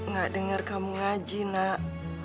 gak denger kamu ngaji nak